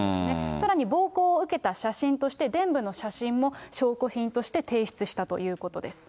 さらに暴行を受けた写真として、でん部の写真も証拠品として提出したということです。